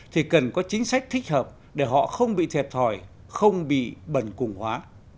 thì cần có chính sách thích hợp để họ không bị thiệt thòi không bị bẩn cùng hóa